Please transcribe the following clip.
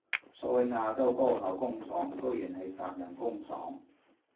所謂亞洲高考工廠居然係殺人工廠